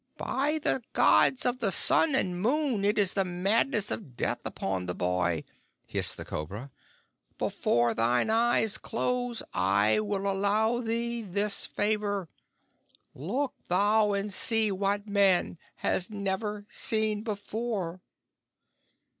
"By the Gods of the Sun and Moon, it is the madness of death upon the boy!" hissed the Cobra. "Before thine eyes close I will allow thee this favor. Look thou, and see what man has never seen before!"